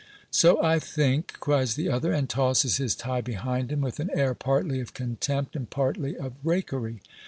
"So I think," cries the other, and tosses his tie behind him, with an air partly of contempt, and partly of rakery.